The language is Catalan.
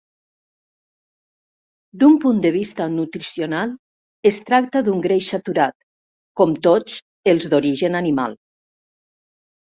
D'un punt de vista nutricional es tracta d'un greix saturat, com tots els d'origen animal.